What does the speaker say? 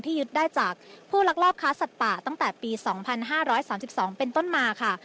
ยึดได้จากผู้ลักลอบค้าสัตว์ป่าตั้งแต่ปี๒๕๓๒เป็นต้นมาค่ะ